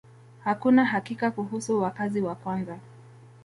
Hakuna hakika kuhusu wakazi wa kwanza.